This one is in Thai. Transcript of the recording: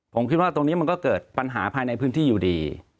ผมคิดว่าตรงนี้มันก็เกิดปัญหาภายในพื้นที่อยู่ดี